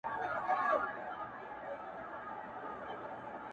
ځکه پاته جاویدانه افسانه سوم,